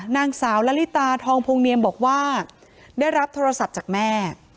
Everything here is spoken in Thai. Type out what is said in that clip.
นางสาวละลิตาทองพงเนียมบอกว่าได้รับโทรศัพท์จากแม่